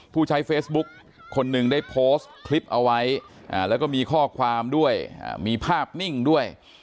ผู้ใช้เฟซบุ๊กคนหนึ่งได้โพสต์คลิปเอาไว้แล้วก็มีข้อความด้วยมีภาพนิ่งด้วย